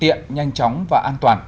tiện nhanh chóng và an toàn